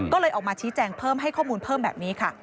ก็เลยออกมาชี้แจงเพิ่มให้ข้อมูลเพิ่มแบบนี้ค่ะ